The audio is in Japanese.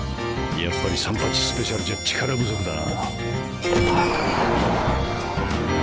やっぱり３８スペシャルじゃ力不足だな。